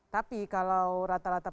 tapi kalau rata rata